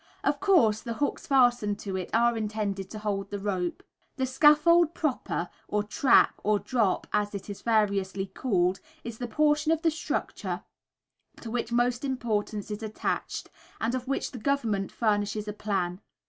Of course, the hooks fastened to it are intended to hold the rope. The scaffold proper, or trap, or drop, as it is variously called, is the portion of the structure to which most importance is attached, and of which the Government furnishes a plan.